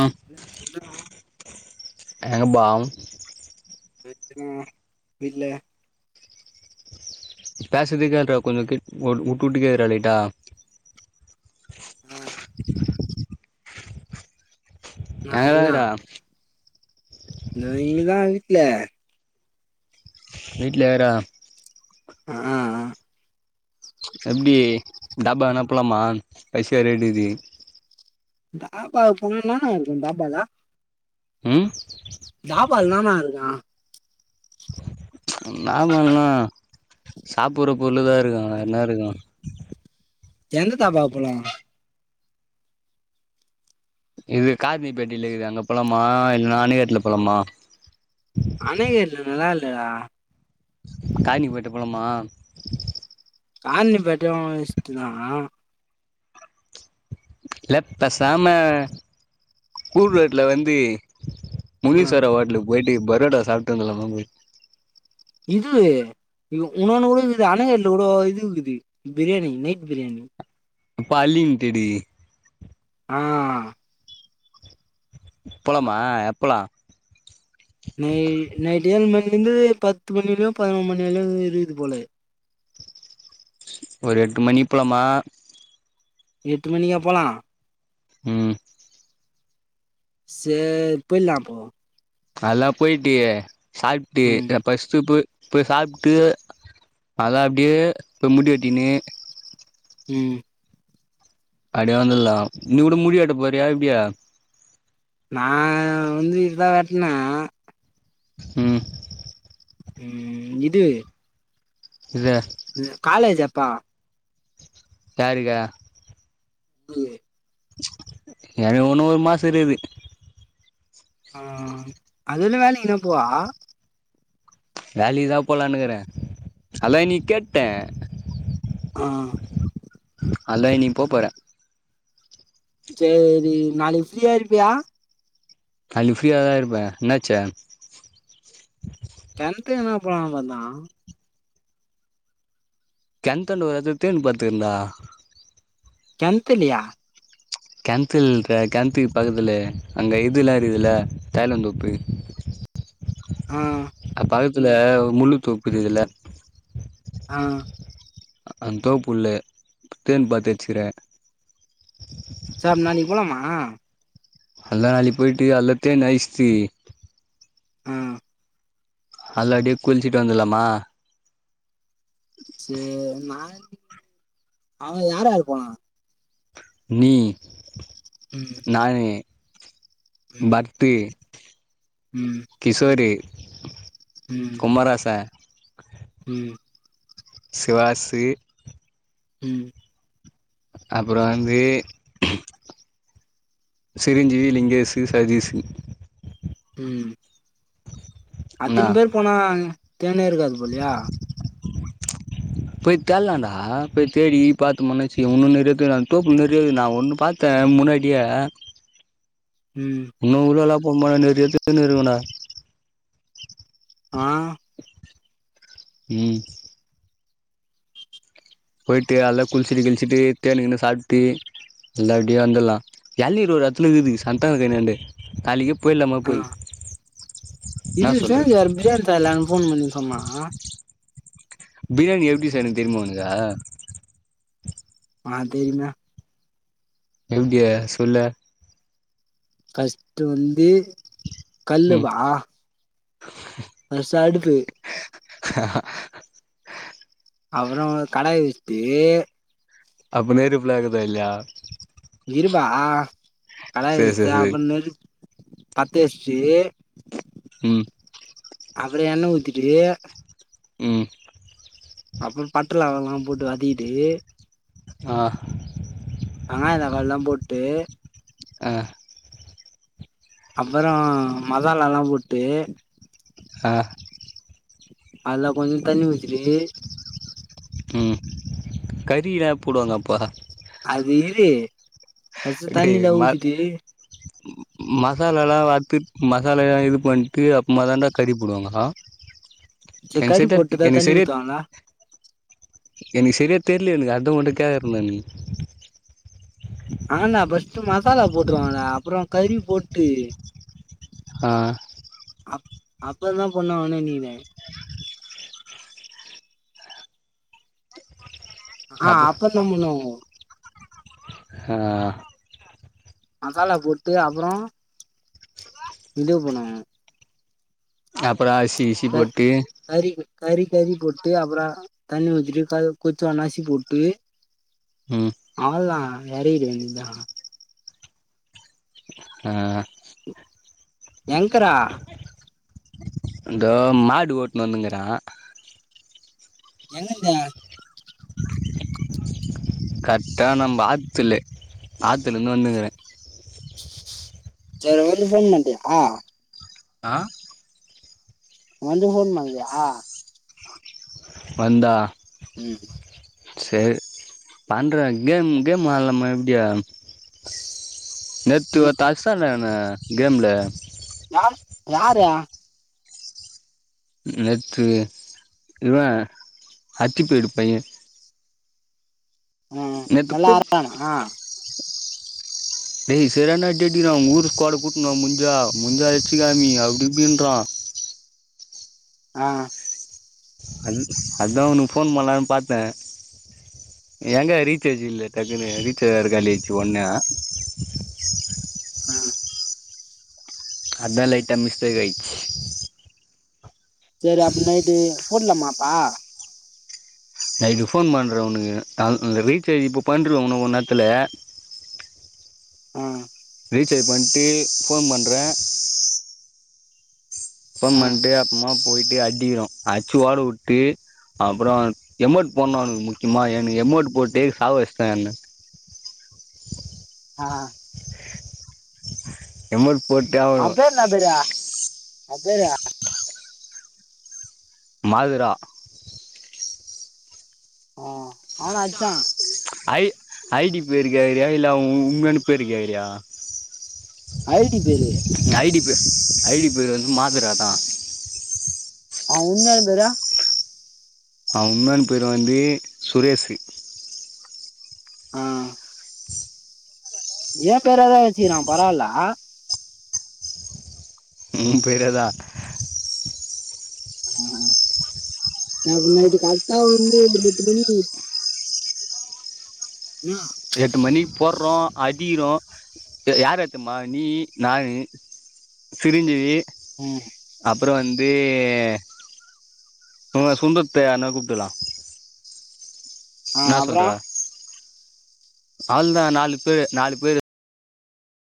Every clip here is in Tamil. அ எங்கபா ஏ திட்ணு இல்ல பேசறதேக்கேல்ரா கொஞ்ச கிட் ஒட் வுட்டு வுட்டுக்கேக்துறா லைட்டா ஆ நா டயடா இதோ இங்கதா வீட்ல விட்ல யாரா ஆ ஆ எப்டி தாபா வேணா போலாமா பைசா எனட்டக்குது தாபா புல்லுனா அது கொஞ் தாபாதா ம் டாபால்னா என்னனா இருக்கு நாமல் னா சாப்புடுற பொருள் தா இருக்கு என்னா இருக்கு எந்த தாபாவ போலு இது கார்னிப்பெட்டிலக்குது அங்க போலாமா இல்லனா அணகட்டுல போலாமா அனைகேட்ல நல்லா இல்ல டா காய்னி பேட்ட போலமா காயி [unintelligible] பேட்டையு இஸ்டு இருக்காங்க இல்ல பேசாம கூர் வேட்ல வந்து ஆ முனிஸ்வர ஹோட்டலுக்கு போயி்ட்டு பரோட்டா சாப்ட்டு வந்துற்லாமா போய் இது இங்க உன்னோனு கூட இக்குது அணகட்ல கூட இது இக்குது பிரியாணி நைட் பிரியாணி பல்லி முட்ட டி ஆ போலமா எப்பலா நை நைட்டு ஏழு மணி இருந்து பத்து மணிலியு பதினொணு மணிவரையு இருக்குது போல ஒரு எட்டு மணிப்போலாமா எட்டு மணிக்கா போலா ம் சேரி போய்ட்லா அப்போ அதுலா போய்ட்டு சாப்ட்டு ம் எப் ஃபர்ஸ்ட்டு இப்ப இப்ப போயி சாப்டு அதா அப்டியே இப்ப முடி வெட்டினு ம் அப்டியே வந்துடலா நீ கூட முடி வெட்ட போறியா எப்டியா நா வந்து இதா வாட்னே ம் ம் இது இல்ல காலேஜ் எப்பா சாரிடா உம் அது ஒன்னு ஒரு மாசோ இருக்குது ஆ அதுல வேலை என்ன போவா வேலிகுதா போலனுக்கிறே அதா நீ கேட்டே ஆ அதான் இன்னைக்கு போ போறேன் சேரி நாளைக்கு ஃப்ரீயா இருப்பியா நாளைக்கு ப்ரீயா தா இருப்பே என்னாச்சு கிணத்துலயே என பேடோ பாத்தா கிணத்துன்ட்ட வருது தேன் பாத்திருக்கிறன்டா கிணத்துலயா கேணத்துல இல்லடா கேணத்துக்கு பக்கத்துலயே அங்கே இதுலா இருக்குதுல தாயலந்து உப்பு ஆ அ பக்கத்துல ஒரு முள்ளு தொப்பு இருக்குதுல்ல ஆ அந்த தோப்புல்லு தேன்னு பாத்து வெச்சுக்கறன் சேரி நாளைக்கு போலாமா அல்லா அழி போய்டட்டு அல்லாத்தே நைஸ்தி ஆ அதுலா அப்டியே குளிச்சுட்டு வந்துலாமா சேரி நா அவ யார்யாரு போனா நீ ம் நானே ம் பரத்து ம் கிஷோரு ம் குமார் ஆ சார் ம் சிவாசு ம் அப்றோ வந்து சிரஞ்சீவி லிங்கேசு சதீஸு ம் என்னா அத்தினி பேர் போனா தேனே இருக்காது போலியா போய் தெடலான்டா போய் தேடி பாத்து மன்னச்சு ஒன்னு நெறையாது தோப்பு நெறையா இருக்கு நா ஒண்ணு பத்த த்த முன்னாடியே ம் இன்னு உள்ள எல்லா போனோம்னா நேறைய தேன் இருக்குண்டா ஆ ம் போயிட்டு அல்ல குளிச்சிட்டு கிழச்சிட்டு தேனக்குனு சாப்பிட்டு எல்லா அப்டியே வந்துட்லா யள்நீர் ஒரு யேத்துல இக்குது சந்தான கை நாண்டு நாளிக்கு போய்லாம ஆ போய் என்னா இது சொல்ற சேயர் மேயர் பேர்ல ஃபோன் பண்ணி சொம்மா பிரியாணி எப்டி செய்ன்னு தெர்மா ஒனெக்கு ஆ தெரிமே எப்டியா சொல்லு ஃபர்ஸ்ட்டு வந்து கல்லு ம் வா [inaudible] [unintelligible] அடுப்பு [unintelligible] ஆ ஆ அப்றோ ஒரு கடாய் வச்ட்டு அப்ப நேர ஃபுல்லாக்குதா இல்லயா இருபா ஆ கடாய் சேரி வெச்சு சேரி சேரி அப்றமேலு பத்த வெஸ்ட்டு ம் அப்பறோ எண்ண ஊத்திட்டு உம் அப்போ பட்ட லவங்கோலா போட்டு வதக்கிட்டு ஆ வெங்காயோ தக்காளின்லா போட்டு ஆ அப்பறோ மசாலால்லா போட்டு ஆ அல்ல கொஞ்சோ தண்ணி ஊத்திட்டு ம் கறி எனப் போடுவாங்கப்பா அது இது எப்டி மர் மசாலாலா வர்த்து மசாலாலா இது பண்ட்டு அப்போமா தாண்டா கறிப்போடுவாங்க சரி என் கறி செட் போட்டுதா எனக் தண்ணி செரிய ஊத்துவாங்களா எனெக்கு செர்யா தெர்ல எனக்கு அத்தா உங்கிட்ட கேக்கற நானு ஆனா நா ஃபர்ஸ்ட் மசாலா போட்றுவனடா அப்றோ கறி போட்டு ஆ அப் அப்பதா பொண்ணா ஆன நீனு ஆ அப்ப நம்ம எல்லாம் ஒன்னு ஹா மசாலா போட்டு அப்றோ இடிவு பண்ணுவே அப்றோ அர்சி இர்சி க போட்டு கறி கொஞ் கறி கறி போட்டு அப்றோ தண்ணி ஊத்திட்டு கொச்சோ நசிக்கி டுந் ம் அவ்ளோதா எறகிற வேண்டுதா ஆ எங்கடா அங்கோ மாடு ஓட்டுணு வந்துக்குற [inaudible] எங்கந்த கரெட்டா நம்ப ஆத்துல ஆத்துல இருந்து வந்து சரி வந்து பண்ண மாட்டியா ஆ [unintelligible] வந்தா ம் சேரு பண்றேன் கேம் கேமு ஆட்லாம எப்டியா நேத்து ம் ஒருத்த அட்சான்ங்க கேம்ல யா யார நேத்து இவன் அச்சிப்படு பையேன் ஆ நேத்து நல்லா கூப் ஆற்றானா டேய் செரான அடி அடிக்கிறான் ஊரு ஸ்குவாடு கூட்னுவா முஞ்சா முஞ்சா எச்சிகாமி அப்டிஇப்டின்றா ஆ அத் அதா உன்க்கு ஃபோன் பண்ணலானு பாத்த எங்க ரீசார்ஜ் இல்ல டக்குன்னு ரீச்சார்ஜ் இரு காலியாச்சு ஒண்ண ம் அதா லைட்ட மிஸ்டேக் ஆய்ச்சு சேரி அப்டி நைட்டு போட்லமா அப்ப நைட்டு ஃபோன் பண்றேன் ஒனுக்கு ரீச்சார்ஜ் இப்போ பண்ற ஒனும் ஒ நேர்த்துல ம் ரீசார்ஜ் பண்ட்டு ஃபோன் பண்ற அப்பம் ஆ பண்ட்டு அப்பமா போயிட்டு அடிக்கிறோம் அட்ச்சு ஓட வுட்டு அப்புறோம் எமௌண்ட் போணும் அவ்ன்களுக்கு முக்கியமா எனக்கு எமௌட்டு போட்டு சாக வச்சுதா என்ன ஆ எம் மெல் போட்டே ஆகணு அ அப்படியா அப்பறா மதுரா ஆ இவன அவனு அடிச்சா அடிச்சிட்டான் ஐ ஐடி பேருக்கேங்கறா இல்ல உ உண்மையான பேரு கேக்கறியா ஐ டி பேரு ஐடி பேர் ஐடி பேர் வந்து மாதரா தா ஆ உண்மையான பேரு அவன் உண்மையான பேர் வந்து சுரேஷு ஆ ஏ பேராதாது வச்சிரான் பரவாயில்ல உம் பேரதா நா நட்டு கர்ட்டா வந்துட் [unintelligible] உம் எட்டு மணிக்கு போற்றோம் அதிகிரோ யார ஏத்தமா நீ நானு சிரிஞ்சீவி ம் அப்புறம் வந்து சுந்தத்தை அன கூப்ட்றலாம் ஆ என்னா சொல்ற அப்புறம் அவள்தா நாலு பேரு நாலு பேரு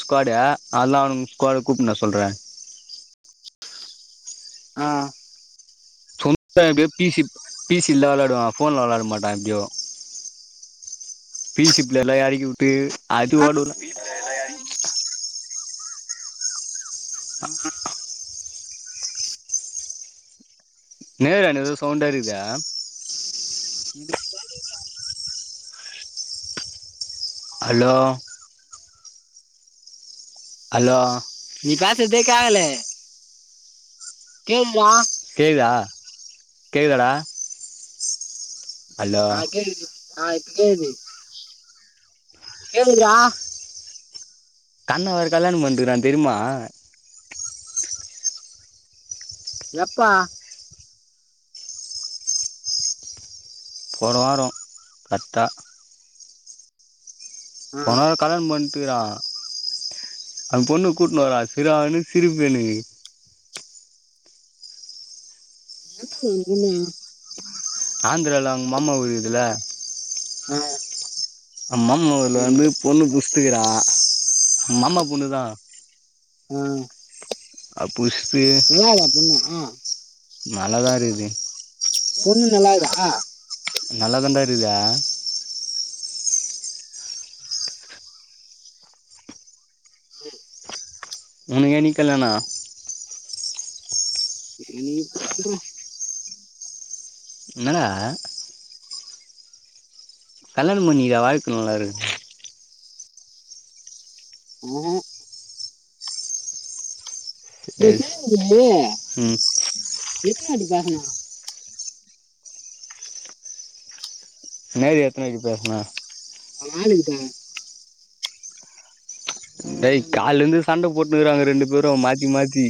ஸ்குவாடு அதெல்லாம் அவ ஸ்கோடு கூப்ட்னு வர சொல்றேன் ஆ இப்பக்கு பிசி பிசி ல்ல வெளாடுவான் ஃபோன்ல வெளாட மாட்டான் எப்டியோ பீசிப்ள்ள எல்லா எறக்கி வுட்டு அது ஓடவுட்ம்னும் நேர என்னது சவுண்டாருக்தா அலோ அலோ நீ பேஸ்றதே கேகல கேம்மா கேக்குதா கேக்குதாட ஆ கேக்குது ஆ இப்போ கேக்குது கேக்குதுறா கண்ணே வேற கல்யாணோ பண்ணிட்டுயிருக்குறா தெரியுமா எப்ப போன வாரோ பத்தா ஆ போன வாரோ கல்யாணோ பண் ட்டுருக்கா அந்த பொண்ணு கூட்டு வரா சரியான சிரிப்பு எனக்கு அதுக்கு ஒரு பொண்ணா ஆந்ரால அவுங்க மாமா ஊரு இருக்குதுல அ மாமா ஊருலா வந்து பொண்ணு புடிச்சிட்டு இருக்குற மாமா பொண்ணுதா ஆ அப்புஸ்ட்டு முனாவ்தா பொண்ணு நல்லாதா இருக்து பொண்ணு நல்லாக்குதா நல்லாதான்ட இருக்குது உனக்கு என்னைக்கு கல்யாணோ இன்னைக்கு பாற்றா என்னாட கல்யாணோ பண்ணிக்கே வாழ்க்க நல்ல இருக்கு ம் [unintelligible] அ ம் எதுக்காக‌ பேசமாட்ட மேரி எத்தனைக்கு பேசுன அவ அளு இருக்கா டேய் கால்லாருந்து சண்ட போட்னுஇருக்குறாங்க ரெண்டு பேரு மாத்தி மாத்தி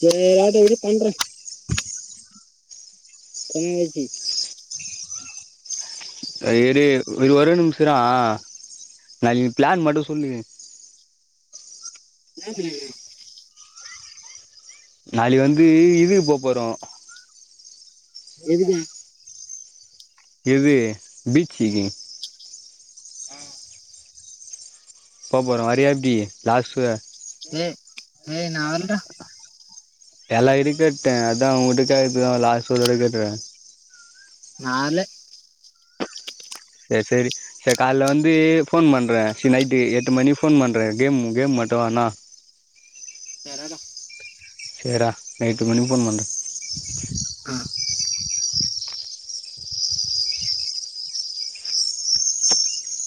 சேரி ஏதாவது இரு பண்றே சேரி யோசி எ இரு ஒரே நிமிசோ இரே நா பிளான் மட்டு சொல்லிகி [unintelligible] நாளைக்கு வந்து இதுக்கு போ போறோ எதுக்கு எது பீச்சுக்கு அ போப்போற வாரிய எப்டி லஸ்ட்டு டேய் டேய் நா வர்லடா எல்லா இருக்கட்டு அதா உங்கிட்டா கேக்கற்துதா ஃலாஸ்ட்டு ஒருதர கேட்குரே நால்லா சேரி சேரி சேரி கால்ல வந்து ஃபோன் பண்றே சீ நைட்டு எட்டு மணிக்கு ஃபோன் பண்றே கேம் கேம் மட்டு வேண [unintelligible] சேர்ரா எட்டு மணிக்கு ஃபோன் பண்ற ஆ